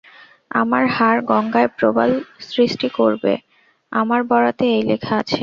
আমার হাড় গঙ্গায় প্রবাল সৃষ্টি করবে, আমার বরাতে এই লেখা আছে।